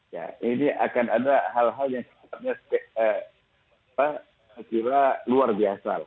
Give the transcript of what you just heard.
ya ini akan ada hal hal yang sepertinya luar biasa